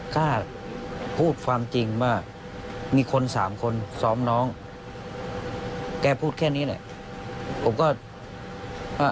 ถ้าพูดความจริงว่ามีคนสามคนซ้อมน้องแกพูดแค่นี้แหละผมก็อ่า